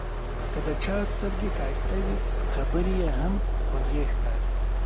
که د چا سترګې ښایسته وي، خبرې یې هم خوږې ښکاري.